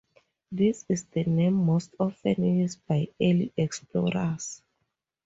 This is the name most often used by early explorers.